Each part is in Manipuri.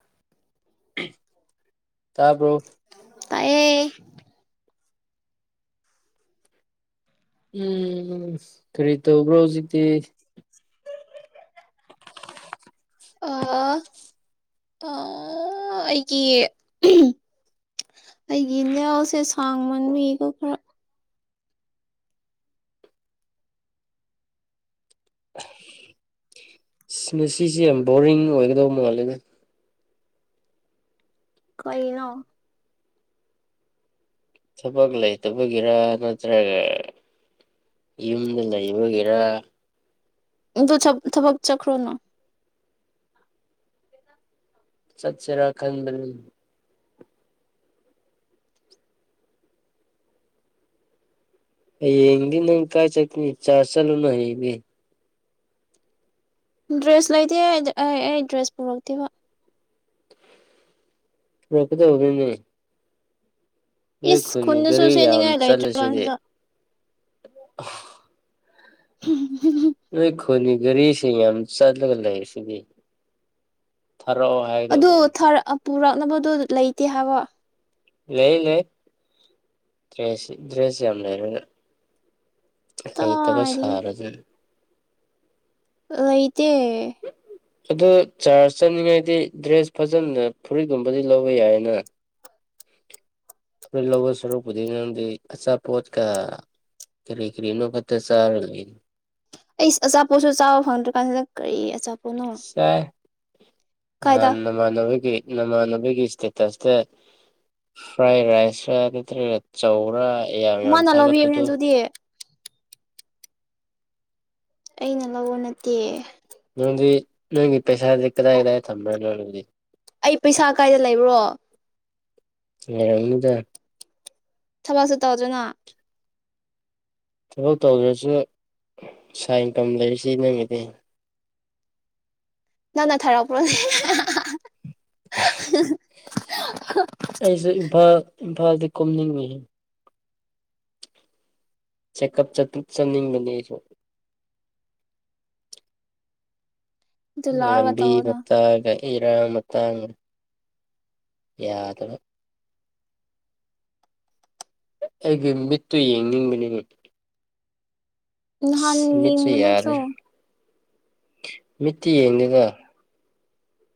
[inaudible] ꯇꯕꯔꫭ ꯇꯌꯦ ꯎꯝ ꯀꯔꯤ ꯇꯧꯕ꯭ꯔꯣ ꯍꯧꯖꯤꯛꯇꯤ ꯑ ꯑꯩꯒꯤ ꯑꯩꯒꯤ ꯏꯅꯥꯎꯁꯦ ꯁꯥꯡ ꯃꯟꯕꯤꯒꯣ ꯈꯔ ꯃꯁꯤꯁꯦ ꯌꯥꯝ ꯕꯣꯔꯤꯡ ꯑꯣꯏꯒꯗꯧꯕ ꯃꯥꯜꯂꯦꯗ ꯀꯩꯅꯣ ꯊꯕꯛ ꯂꯩꯇꯕꯒꯤꯔ ꯅꯠꯇ꯭ꯔꯒ ꯌꯨꯝꯗ ꯂꯩꯕꯒꯤꯔ ꯗ ꯊꯄꯛ ꯆꯈ꯭ꯔꯣ ꯅꯪ ꯁꯠꯁꯦꯔ ꯈꯟꯕꯅꯤ ꯍꯌꯦꯡ ꯅꯪ ꯀꯥꯏ ꯆꯠꯅꯤ ꯆꯥ ꯆꯂꯨꯅ ꯍꯌꯦꯕꯤ ꯗ꯭ꯔꯦꯁ ꯂꯩꯇꯦ ꯑꯩ ꯑꯩ ꯗ꯭ꯔꯦꯁ ꯄꯨꯔꯛꯇꯦꯕ ꯂꯗ ꯍꯧꯒꯅꯦ [unintelligible] ꯅꯣꯏ ꯏꯁ ꯈꯨꯟꯒꯤ ꯈꯨꯟꯗꯁꯨ ꯒꯥꯔꯤ ꯌꯥꯝ ꯁꯦꯠꯅꯤꯡꯉꯥꯏ ꯆꯠꯂꯁꯤꯗꯤ ꯂꯩꯇ꯭ꯔꯀꯥꯟꯁꯤꯗ [inaudible] ꯍꯥꯝ ꯅꯣꯏ ꯈꯣꯅꯤ ꯔꯤꯁꯤ ꯌꯥꯝ ꯆꯠꯂꯒ ꯂꯩ ꯁꯤꯗꯤ ꯊꯔꯣ ꯍꯥꯏꯒ ꯄꯨꯔꯛꯅꯕꯗꯣ ꯂꯩꯇꯦ ꯍꯥꯏꯕꯣ ꯂꯩ ꯂꯩ ꯇ꯭ꯔꯁꯤ ꯗ꯭ꯔꯁꯤ ꯌꯥꯝ ꯂꯩꯔ ꯍꯇꯕ ꯀꯗꯥꯏꯗꯒꯤ ꯁꯥꯔ ꯑꯗꯨ ꯑꯥꯏꯇ ꯑꯗꯨ ꯆꯥꯔꯖ ꯆꯥꯅꯤꯡꯉꯥꯏꯗꯤ ꯗ꯭ꯔꯦꯁ ꯐꯖꯅ ꯐꯨꯔꯤꯠꯀꯨꯝꯕꯗꯤ ꯂꯧꯕ ꯌꯥꯏꯌꯦꯅ ꯑꯩꯣꯏ ꯂꯧꯕ ꯁꯔꯨꯛꯄꯨꯗꯤ ꯅꯪꯗꯤ ꯑꯆꯥꯄꯣꯠꯀ ꯀꯔꯤ ꯀꯔꯤꯅꯣ ꯈꯛꯇ ꯆꯥꯔ ꯂꯩ ꯑꯩ ꯑꯆꯥꯄꯣꯠꯁꯨ ꯆꯥꯕ ꯐꯪꯗ꯭ꯔ ꯀꯥꯟꯁꯤꯗ ꯀꯔꯤ ꯑꯆꯥꯄꯣꯠ ꯁꯦ ꯑ ꯀꯥꯏꯗ ꯅꯅꯕꯒꯤ ꯅꯃ ꯑꯅꯕꯒꯤ ꯏꯁꯦ ꯇꯁꯗ ꯐ꯭ꯔꯥꯏ ꯔꯥꯏꯁ ꯍꯥꯏ ꯅꯠꯇ꯭ꯔꯒ ꯆꯧꯔꯥ ꯃꯅꯂꯕꯤꯃꯤꯅ ꯑꯗꯨꯗꯤ ꯑꯩꯅ ꯂꯧꯕ ꯅꯠꯇꯦ ꯅꯅꯨꯡꯗꯤ ꯅꯪ ꯏ ꯄꯦꯁꯥꯔꯗꯤꯛꯗꯗ ꯇꯝꯅꯗꯤ ꯑꯩ ꯄꯩꯁꯥ ꯀꯥꯏꯗ ꯂꯩꯕ꯭ꯔꯣ [unintelligible] ꯊꯕꯛꯁꯨ ꯇꯧꯗꯅ ꯊꯕꯛ ꯇꯧꯗ꯭ꯔꯁꯨ ꯁꯥꯏꯟꯀꯝ ꯂꯩꯔꯤꯁꯤ ꯅꯨꯃꯤꯗꯤ ꯅꯥ ꯊꯔꯄ꯭ꯔꯣꯅꯦ ꯑꯩꯁꯨ ꯏꯝꯐꯥꯜ ꯏꯝꯐꯥꯜꯗꯤ ꯀꯨꯝꯅꯤꯡꯉꯤ ꯆꯦꯛꯀꯞ ꯆꯠꯅꯤꯡꯕꯅꯦ ꯑꯩꯁꯨ ꯑꯗꯨ ꯂꯧꯔꯒ ꯂꯕꯤ ꯇꯧꯑꯣꯅ ꯃꯠꯇꯒ ꯏꯔꯥꯡ ꯃꯇꯥꯡ ꯌꯥꯗꯕ ꯑꯩꯒꯤ ꯃꯤꯠꯇꯨ ꯌꯦꯡꯅꯤꯡꯕꯅꯤꯅꯦ ꯅꯥꯟ ꯑꯁ ꯃꯤꯠꯁꯦ ꯌꯦꯅꯗ꯭ꯔꯣ ꯌꯥꯗ꯭ꯔꯦ ꯃꯤꯠꯇꯤ ꯌꯦꯡꯗꯦꯗ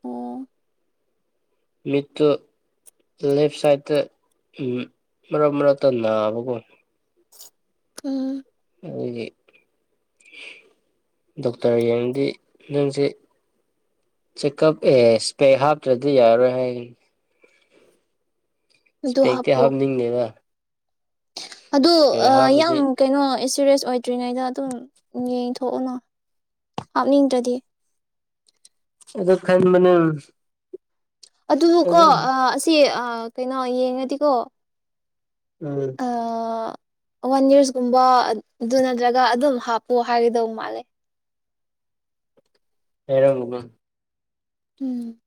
ꯑꯣ ꯃꯤꯠꯇꯨ ꯂꯦꯞ ꯁꯥꯏꯗꯠꯇ ꯃꯔꯛ ꯃꯔꯛꯇ ꯅꯥꯕꯒꯨꯝ ꯎꯝ ꯑꯗꯨꯒꯤ ꯗꯣꯛꯇꯔ ꯌꯦꯡꯗꯤ ꯅꯪꯁꯦ ꯆꯦꯛꯀꯞ ꯑꯦ ꯁꯄꯦꯛ ꯍꯥꯞꯇ꯭ꯔꯗꯤ ꯌꯥꯔꯣꯏ ꯍꯥꯏ ꯑꯗꯨ ꯏꯄꯦꯛꯇ ꯍꯥꯞꯄꯣ ꯍꯥꯞꯅꯤꯡ ꯂꯩꯕ ꯑꯗꯨ ꯌꯥꯝ ꯀꯩꯅꯣ ꯁꯤꯔꯤꯌꯁ ꯑꯣꯏꯗ꯭ꯔꯤꯉꯩꯗ ꯑꯗꯨꯝ ꯌꯦꯡꯊꯣꯛꯎꯅꯨ ꯍꯥꯞꯅꯤꯡꯗ꯭ꯔꯗꯤ ꯑꯗꯨ ꯈꯟꯕꯅꯦ ꯑꯗꯨꯀꯣ ꯑꯗꯨ ꯑꯥ ꯑꯁꯤ ꯑꯥ ꯀꯩꯅꯣ ꯌꯦꯡꯉꯗꯤꯀꯣ ꯎꯝ ꯋꯥꯟ ꯌꯔꯁꯀꯨꯝꯕ ꯑꯗꯨ ꯅꯠꯇ꯭ꯔꯒ ꯑꯗꯨꯝ ꯍꯥꯞꯄꯨꯣ ꯍꯥꯏꯒꯗꯧ ꯃꯥꯜꯂꯦ [unintelligible] ꯎꯝ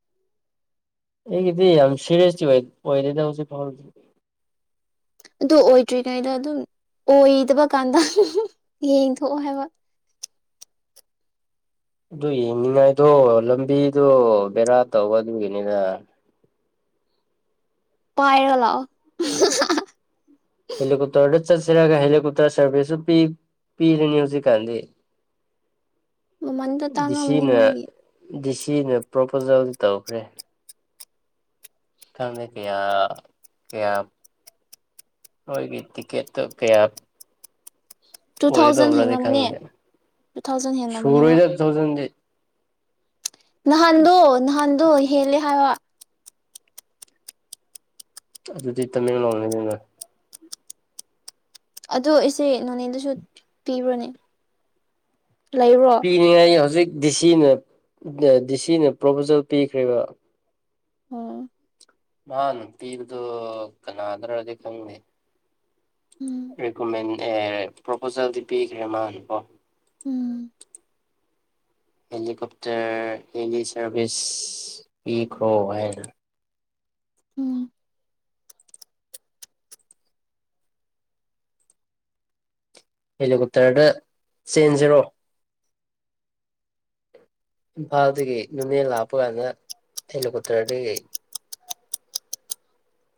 ꯑꯩꯒꯤꯗꯤ ꯌꯥꯝ ꯁꯤꯔꯦꯁꯁꯤ ꯥꯏ ꯄꯣꯏ ꯂꯩꯗ ꯍꯧ ꯎꯆ ꯐꯥꯎꯔ ꯑꯗꯨ ꯑꯣꯏꯗ꯭ꯔꯤꯉꯩꯗ ꯑꯗꯨꯝ ꯑꯣꯏꯗꯕ ꯀꯥꯟꯗ ꯌꯦꯡꯊꯣꯛꯑꯣ ꯍꯥꯏꯕ ꯑꯗꯨ ꯌꯦꯡꯅꯤꯡꯉꯥꯏꯗꯣ ꯂꯝꯕꯤꯗꯣ ꯕꯦꯔꯥ ꯇꯧꯕ ꯑꯗꯨꯒꯤꯅꯤꯗ ꯄꯥꯏꯔ ꯂꯥꯎꯑꯣ ꯍꯦꯂꯤꯀꯣꯞꯇꯔꯗ ꯆꯠꯁꯤꯔꯒ ꯍꯦꯂꯤꯀꯣꯞꯇꯔ ꯁꯥꯔꯚꯤꯁꯁꯨ ꯄꯤ ꯄꯤꯔꯅꯤ ꯍꯧꯖꯤꯛꯀꯥꯟꯗꯤ ꯃꯃꯟꯗꯣ ꯗꯤ ꯁꯤ ꯇꯥꯡꯉꯝꯃꯅꯤ ꯅ ꯃꯣꯏꯒꯤ ꯗꯤ ꯁꯤ ꯁꯤꯅ ꯄ꯭ꯔꯣꯄꯣꯖꯦꯜ ꯇꯧꯈ꯭ꯔꯦ ꯈꯪꯗꯦ ꯀꯌꯥ ꯀꯌꯥ ꯃꯣꯏꯒꯤ ꯇꯤꯀꯦꯠꯇꯣ ꯀꯌꯥ ꯇꯨ ꯑꯣꯏꯗꯣ ꯊꯥꯎꯖꯟ ꯑꯣꯄꯔꯗꯤ ꯍꯦꯜꯂꯝꯅꯤ ꯈꯗ ꯇꯨ ꯊꯥꯎꯖꯟ ꯁꯨꯔꯣꯏ ꯍꯦꯜꯂꯝꯃꯅꯦꯕ ꯆꯗꯤ ꯅꯍꯗꯨ ꯅꯍꯥꯟ ꯗꯣ ꯍꯦꯜꯂꯦ ꯍꯥꯏꯋꯥ ꯑꯗꯨꯗꯤ ꯇꯃꯦꯡꯂꯣꯡꯅꯤꯗꯅ ꯑꯗꯣ ꯑꯩꯁꯦ ꯅꯣꯅꯦꯗꯁꯨ ꯄꯤꯕ꯭ꯔꯣꯅꯦ ꯂꯩꯕ꯭ꯔꯣ ꯄꯤꯅꯤꯉꯥꯢꯒꯤ ꯍꯧꯖꯤꯛ ꯗꯤꯁꯤꯅ ꯗꯤꯁꯤꯅ ꯄ꯭ꯔꯣꯄꯣꯖꯦꯜ ꯄꯤꯈ꯭ꯔꯦꯕ꯫ ꯑꯣ꯫ ꯅꯅ ꯇꯤꯔꯗꯨꯅꯥꯗ꯭ꯔꯣꯖꯤꯪꯅꯦ ꯎꯝ ꯔꯤꯀꯃꯦꯟ ꯑꯦ ꯄ꯭ꯔꯣꯄꯣꯖꯦꯜꯗꯤ ꯄꯤꯈ꯭ꯔꯦ ꯃꯥꯒꯤꯀꯣ ꯎꯝ ꯍꯦꯂꯤꯀꯣꯞꯇꯔ ꯍꯦꯂꯤ ꯁꯥꯔꯚꯤꯁ ꯄꯤꯈ꯭ꯔꯣ ꯍꯥꯏꯅ ꯎꯝ꯫ ꯍꯦꯂꯤꯀꯣꯞꯇꯔꯗ ꯆꯦꯟꯁꯤꯔꯣ? ꯏꯝꯐꯥꯜꯗꯒꯤ ꯅꯨꯅꯦ ꯂꯥꯛꯄ ꯀꯥꯟꯗ ꯍꯦꯂꯤꯀꯣꯞꯇꯔꯗꯒꯤ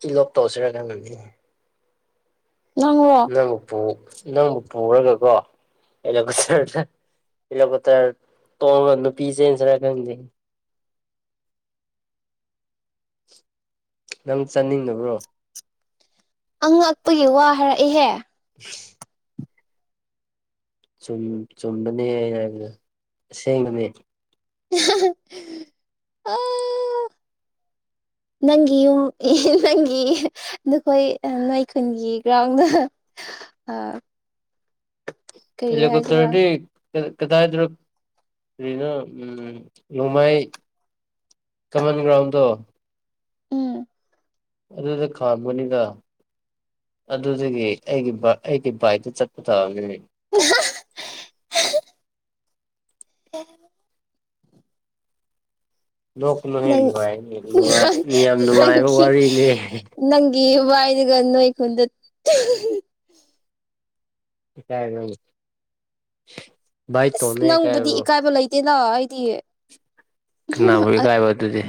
ꯏꯂꯣꯞ ꯇꯧꯁꯤꯔ [unintelligible] ꯅꯪꯔꯣ ꯅꯪꯄꯨ ꯅꯪꯕꯨ ꯄꯨꯔꯒꯀꯣ ꯍꯦꯂꯤꯀꯣꯞꯇꯔꯗ ꯍꯦꯂꯤꯀꯣꯞꯇꯔ ꯇꯣꯡꯉꯒ ꯅꯨꯄꯤ ꯆꯦꯟꯁꯤꯔ ꯈꯪꯗꯦ꯫ ꯅꯪ ꯆꯠꯅꯤꯡꯗꯕ꯭ꯔꯣ? ꯑꯉꯛꯄꯒꯤ ꯋꯥ ꯍꯥꯏꯔꯛꯏꯍꯦ! [inaudible] ꯨꯆꯨꯝ ꯆꯨꯝꯕꯅꯦ ꯍꯥꯏꯕꯗꯣ ꯑꯁꯦꯡꯕꯅꯦ꯫ ꯅꯪꯒꯤ ꯌꯨꯝ ꯅꯪꯒꯤ ꯅꯈꯣꯏ ꯅꯣꯏ ꯈꯨꯟꯒꯤ ꯒ꯭ꯔꯥꯎꯟꯗꯣ ꯏꯂ ꯀꯇ꯭ꯔꯗꯤ ꯀꯗꯥꯏꯗ ꯀꯔꯤꯅꯣ ꯅꯣꯡꯃꯥꯏ ꯀꯃꯟ ꯒ꯭ꯔꯥꯎꯟꯗꯣ ꯎꯝ꯫ ꯑꯗꯨꯗ ꯈꯥꯝꯕꯅꯤꯅ ꯑꯗꯨꯗꯒꯤ ꯑꯩꯒꯤ ꯑꯩꯒꯤ ꯕꯥꯏꯛꯇ ꯆꯠꯄ ꯇꯥꯕꯅꯤꯅꯦ꯫ ꯑ ꯍ ꯅꯣꯛꯀꯅꯨꯍꯦ ꯅꯪ ꯅꯨꯡꯉꯥꯏꯅꯤ ꯅꯨꯡꯉꯥꯏ ꯌꯥꯝ ꯅꯨꯡꯉꯥꯏꯕ ꯋꯥꯔꯤꯅꯦ ꯅꯪꯒꯤ ꯋꯥꯏꯗꯨꯒ ꯅꯣꯏꯈꯨꯟꯗ [inaudible] ꯇꯥꯏ ꯑꯁ ꯅꯪꯕꯨꯗꯤ ꯏ ꯀꯥꯏꯕ ꯂꯩ ꯂ ꯍꯥꯏꯗꯤꯦ ꯅꯥ ꯐꯣꯏ ꯀꯥꯏ ꯋꯥꯗꯨꯗꯤ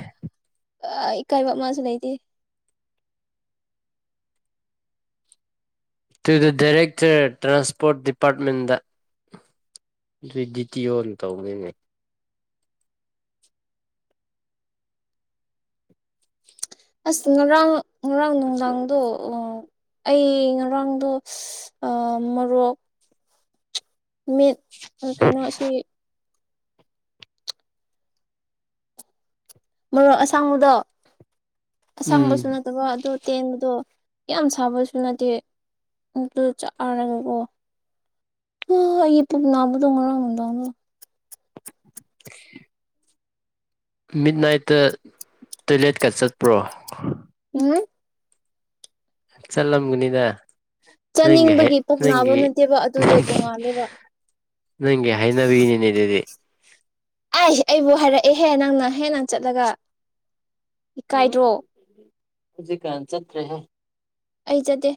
ꯑ ꯏꯀꯥꯏꯕ ꯃꯥꯁꯨ ꯂꯩꯇꯦ꯫ ꯇꯨ ꯗ ꯗꯥꯏꯔꯦꯛꯇꯔ ꯇ꯭ꯔꯥꯟꯁꯄꯣꯔꯠ ꯗꯤꯄꯥꯔꯠꯃꯦꯟꯗ ꯑꯗꯨ ꯗꯤ ꯇꯤ ꯑꯣꯅ ꯇꯧꯃꯤꯅꯦ꯫ ꯑꯁ ꯉꯔꯥꯡ ꯉꯔꯥꯡ ꯅꯨꯡꯗꯥꯡꯗꯣ ꯑ ꯑꯩ ꯉꯔꯥꯡꯗꯣ ꯑ ꯃꯔꯣꯛ ꯃꯤꯠ ꯀꯩꯅꯣꯁꯤ ꯃꯔꯣꯛ ꯑꯁꯥꯡꯕꯨꯗꯣ ꯎꯝ ꯑꯁꯥꯡꯕꯁꯨ ꯅꯠꯇꯕ ꯑꯗꯨ ꯇꯦꯟꯕꯗꯣ ꯌꯥꯝ ꯁꯥꯕꯁꯨ ꯅꯠꯇꯦ ꯑꯗꯨ ꯆꯥꯔꯒꯀꯣ ꯑꯥ ꯑꯩꯒꯤ ꯄꯨꯨꯛ ꯅꯥꯕꯗꯣ ꯉꯔꯥꯡ ꯅꯨꯡꯗꯥꯡꯗꯣ! [inaudible] ꯃꯤꯠ ꯅꯥꯏꯠꯇ ꯇꯣꯏꯂꯦꯠꯀ ꯆꯠꯄ꯭ꯔꯣ? ꯎꯝ ꯆꯂꯝꯒꯅꯤꯗ ꯆꯥꯅꯤꯡꯕꯒꯤ ꯄꯨꯛꯅꯥꯕ ꯅꯠꯇꯦꯕ ꯑꯗꯨꯗꯣ ꯇꯣꯡꯉꯥꯜꯂꯦꯕ꯫ ꯅꯪꯒꯤ ꯍꯩꯅꯕꯤꯅꯤꯅꯦ ꯑꯗꯨꯗꯤ ꯑꯩꯁ ꯑꯩꯕꯨ ꯍꯥꯏꯔꯛꯑꯦꯍꯦ ꯅꯪꯅ ꯍꯦꯟꯅ ꯆꯠꯂꯒ꯫ ꯎꯝ꯫ ꯏꯀꯥꯏꯗ꯭ꯔꯣ ꯍꯧꯖꯤꯛꯀꯥꯟ ꯆꯠꯇ꯭ꯔꯦꯍꯦ꯫ ꯑꯩ ꯆꯠꯇꯦ꯫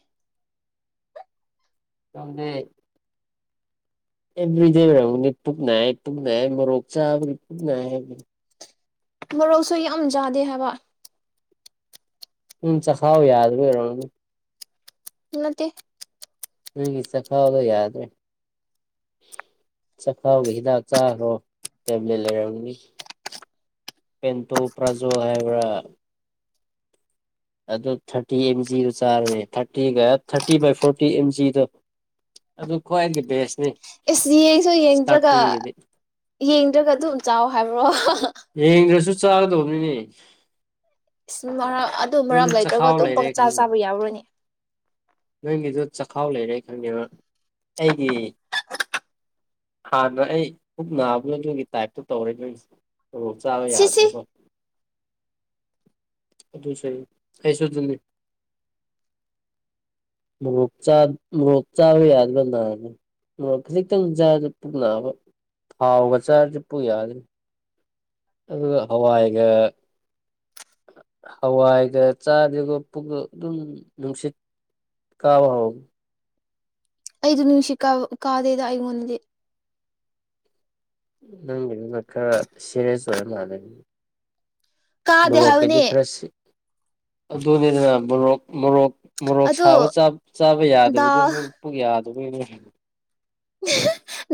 ꯇꯝꯗꯦ꯫ ꯑꯦꯕ꯭ꯔꯤ ꯗꯦ ꯑꯣꯏꯔꯝꯒꯅꯤ ꯄꯨꯛ ꯅꯥꯏꯌꯦ ꯄꯨꯛ ꯅꯥꯏꯌꯦ ꯎꯃꯣꯔꯣꯛ ꯆꯥꯕꯒꯤ ꯄꯨꯛ ꯅꯥꯏ ꯍꯥꯏꯕ ꯃꯔꯔꯣꯁꯣꯏ ꯑꯃꯖꯗꯦ ꯍꯥꯏꯕ ꯎꯝ ꯆꯈꯥꯎ ꯌꯥꯗꯕ ꯑꯣꯏꯔꯝꯒꯅꯤ꯫ ꯅꯠꯇꯦ꯫ ꯅꯪꯒꯤ ꯆꯈꯥꯎꯒ ꯌꯥꯗ꯭ꯔꯦ ꯆꯈꯥꯎꯒꯤ ꯍꯤꯗꯥꯛ ꯆꯥꯈ꯭ꯔꯣ ꯇꯦꯕ꯭ꯂꯦꯠ ꯂꯩꯔꯝꯅꯤ ꯄꯦꯟꯇꯣ ꯄ꯭ꯔꯥꯖꯣ ꯍꯥꯏꯕ꯭ꯔꯥ꯫ ꯑꯗꯨ ꯊꯔꯇꯤ ꯑꯦꯝ_ꯖꯤ ꯗꯨ ꯆꯥꯔꯅꯤ ꯊꯔꯇꯤꯒ ꯊꯥꯔꯇꯤ ꯕꯥꯏ ꯐꯣꯔꯇꯤ ꯑꯦꯝ_ꯖꯤ ꯗꯣ ꯑꯗꯨ ꯈ꯭ꯋꯥꯏꯗꯒꯤ ꯕꯦꯁꯅꯦ꯫ ꯑꯦꯁ ꯌꯦꯡꯁꯨ ꯌꯦꯡꯗ꯭ꯔꯒ ꯌꯦꯡꯗ꯭ꯔꯒ ꯑꯗꯨꯝ ꯆꯥꯎꯑꯣ꯫ ꯍꯥꯏꯕ꯭ꯔꯣ꯫ ꯌꯦꯡꯗ꯭ꯔꯁꯨ꯫ ꯆꯥꯒꯗꯧꯕꯅꯤꯅꯦ꯫ [unintelligible] ꯑꯗꯨ ꯃꯔꯝ ꯅꯪꯗꯤ ꯂꯩꯇ꯭ꯔꯒ ꯆꯈꯥꯎ ꯑꯗꯨꯝ ꯄꯪꯆꯥ ꯆꯥꯕ ꯌꯥꯎꯔꯅꯤ꯫ ꯅꯣꯏꯒꯤꯗꯨ ꯆꯈꯥꯎ ꯂꯩꯔꯦ ꯈꯪꯉꯦꯕ ꯑꯩꯒꯤ ꯍꯥꯟꯅ ꯑꯩ ꯄꯨꯛ ꯅꯥꯕꯅꯣ ꯅꯣꯏꯒꯤ ꯇꯥꯏꯞꯇꯣ ꯇꯧꯔꯦ ꯅꯣꯏꯒꯤꯁꯤ ꯑꯣ ꯆꯥꯂ ꯌꯥꯗ ꯁꯤꯁꯤ ꯃꯣ ꯑꯗꯨꯁꯨ ꯑꯩꯁꯨ ꯑꯗꯨꯅꯤꯥ ꯃꯣꯔꯣꯛ ꯆꯥ ꯃꯣꯔꯣꯛ ꯆꯥꯕ ꯌꯥꯗꯕ ꯅꯥꯕ ꯃꯣꯔꯣꯛ ꯈꯖꯤꯛꯇꯪ ꯆꯥꯕꯗ ꯄꯨꯛ ꯅꯥꯕ ꯊꯥꯎꯒ ꯆꯥꯔꯗꯤ ꯄꯨꯛ ꯌꯥꯗ꯭ꯔꯦ꯫ ꯑꯗꯨꯒ ꯍꯋꯥꯏꯒ ꯍꯋꯥꯏꯒ ꯆꯥꯗ꯭ꯔꯒ ꯄꯨꯛ ꯑꯗꯨꯝ ꯅꯨꯡꯁꯤꯠ꯫ ꯀꯥꯕ ꯍꯧ꯫ ꯑꯩꯗꯨ ꯅꯨꯡꯁꯤꯠ ꯀꯥꯕ ꯀꯥꯗꯦꯗ ꯑꯩꯉꯣꯟꯗꯗꯤ꯫ ꯅꯪꯒꯤꯗꯨꯅ ꯈꯔ ꯁꯤꯔꯦꯁ ꯑꯣꯏꯕ ꯃꯥꯂꯦ ꯃ ꯀꯥꯗꯦ ꯔꯣꯄꯦꯗꯤ ꯍꯥꯏꯕꯅꯦ ꯈ꯭ꯔꯦꯁꯤꯁꯤ ꯑꯗꯨꯅꯤꯗꯅ ꯃꯣꯔꯣꯛ ꯃꯣꯔꯣꯛ꯫ ꯃꯣꯔꯣꯛ ꯁꯥꯕ ꯑꯗꯣ ꯆꯥꯕ ꯌꯥꯗꯕꯗꯣ ꯗꯥꯜ ꯑꯃ ꯄꯨꯛ ꯌꯥ꯫ ꯑꯗꯨꯅꯦ꯫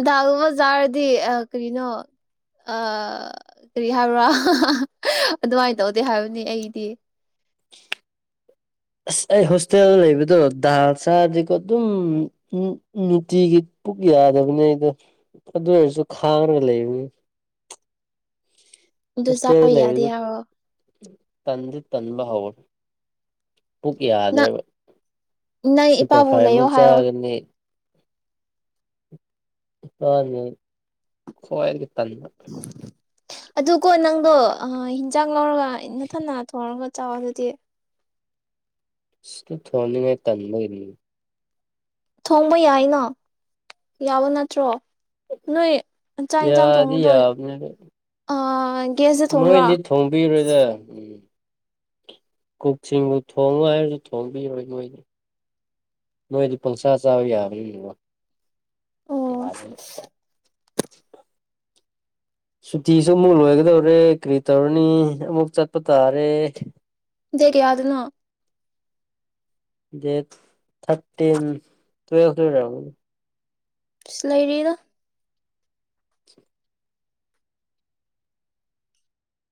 ꯗꯥꯥꯛꯒꯨꯝꯕ ꯆꯥꯔꯗꯤ ꯀꯔꯤꯅꯣ ꯀꯔꯤ ꯍꯥꯏꯕ꯭ꯔꯥ ꯑꯗꯨꯃꯥꯏꯅ ꯇꯧꯗꯦ ꯍꯥꯏꯕꯅꯤ ꯑꯩꯗꯤ ꯑꯁ ꯑꯩ ꯍꯣꯁꯇꯦꯜꯗ ꯂꯩꯕꯗꯣ ꯗꯥꯜ ꯆꯥꯗꯤꯀꯣ ꯑꯗꯨꯝ ꯅꯨꯡꯇꯤꯒꯤ ꯄꯨꯛ ꯌꯥꯗꯕꯅꯤ ꯑꯗꯣ ꯑꯗꯨ ꯑꯣꯏꯔꯁꯨ ꯈꯥꯡꯉꯒ ꯂꯩꯕꯅꯤ ꯑꯗꯨ ꯃꯁꯇꯗ ꯆꯥꯕ ꯌꯥꯗꯦ ꯂꯩꯕꯗ ꯍꯥꯏꯕ꯭ꯔꯣ ꯇꯗꯨ ꯇꯟꯕ ꯍꯜ ꯄꯨꯛ ꯅꯪ ꯌꯥꯗ꯭ꯔꯦꯕ ꯅꯪ ꯏꯄꯥꯕꯨ ꯂꯩꯌꯣ ꯁꯨꯄꯔꯐꯥꯏꯚꯃꯨꯛ ꯍꯥꯏꯌꯣ ꯆꯥꯒꯅꯤ ꯑ ꯍ ꯇꯅꯤ ꯑꯗꯨ ꯀꯣ ꯅꯪꯗꯣ ꯑ ꯍꯤꯟꯖꯥꯛ ꯂꯧꯔꯒ ꯏꯟꯊꯟꯊꯣꯡꯑꯒ ꯆꯥꯎꯥ ꯑꯗꯨꯗꯤ ꯁꯇ ꯊꯣꯅꯤ ꯃ ꯇꯟꯃꯅꯤ ꯊꯣꯡꯕ ꯌꯥꯏꯅꯣ ꯌꯥꯕ ꯅꯠꯇ꯭ꯔꯣ ꯅꯣꯏ ꯆꯥꯛ ꯌꯦꯟꯁꯥꯡ ꯌꯥꯗ ꯊꯣꯡꯕꯗꯣ ꯌꯥꯅꯦ ꯑ ꯒ꯭ꯌꯥꯁꯇ ꯊꯣꯡꯕ꯭ꯔꯣ ꯃꯣꯏꯗꯤ ꯊꯣꯡꯕꯤꯔꯣꯏꯗ ꯎꯝ ꯀꯛꯁꯤꯡꯕꯨ ꯊꯣꯡꯉꯣ ꯍꯥꯏꯔꯁꯨ ꯊꯣꯡꯕꯤꯔꯣꯏ ꯅꯣꯏꯗꯤ ꯅꯣꯏꯗꯤ ꯄꯪꯁꯥ ꯆꯥꯕ ꯌꯥꯕꯔꯤꯅꯣ ꯑꯣ ꯌꯥꯗ [inaudible] ꯁꯨꯇꯤꯁꯨ ꯑꯃꯨꯛ ꯂꯣꯏꯒꯗꯧꯔꯦ ꯀꯔꯤ ꯇꯧꯔꯅꯤ ꯑꯃꯨꯛ ꯆꯠꯄ ꯇꯥꯔꯦ ꯗꯔꯤ ꯌꯥ ꯑꯗꯨꯅꯣ ꯗꯦꯠ ꯊꯔꯇꯤꯟ ꯇꯨꯋ ꯂ ꯁꯤ ꯂꯩꯥꯏꯔꯤꯗ [inaudible]